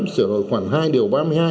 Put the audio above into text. sửa đổi khoản hai điều ba mươi hai